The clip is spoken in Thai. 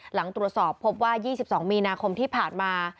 หลังตรวจสอบพบว่า๒๒มีนาคมที่ผ่านมา